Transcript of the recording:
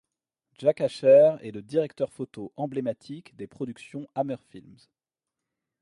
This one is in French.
Jack Asher est le directeur photo emblématique des productions Hammer Films.